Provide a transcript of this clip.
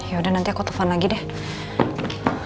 yaudah nanti aku telfan lagi deh